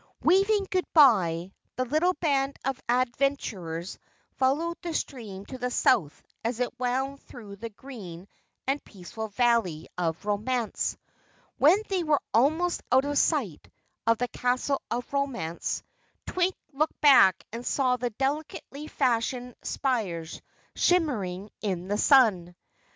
Waving goodbye, the little band of adventurers followed the stream to the south as it wound through the green and peaceful Valley of Romance. When they were almost out of sight of the Castle of Romance, Twink looked back and saw the delicately fashioned spires shimmering in the sun.